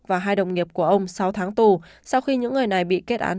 và hai đồng nghiệp của ông sáu tháng tù sau khi những người này bị kết án